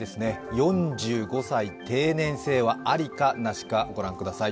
４５歳定年制はありか、なしか、御覧ください。